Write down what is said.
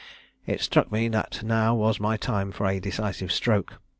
It struck me that now was my time for a decisive stroke.